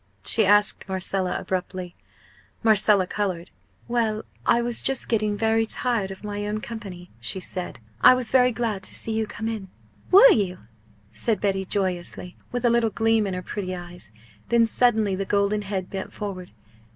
she asked Marcella, abruptly. Marcella coloured. "Well, I was just getting very tired of my own company," she said. "I was very glad to see you come in." "Were you?" said Betty, joyously, with a little gleam in her pretty eyes. Then suddenly the golden head bent forward.